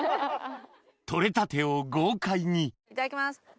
取れたてを豪快にいただきます。